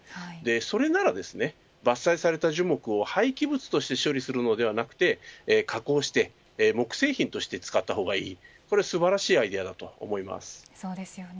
それなら、伐採された樹木を廃棄物として処理するのではなく加工して、木製品として使ったほうがいいというのは素晴らしいアイデアだと思います。